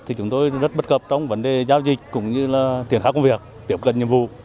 thì chúng tôi rất bất cập trong vấn đề giao dịch cũng như là triển khai công việc tiếp cận nhiệm vụ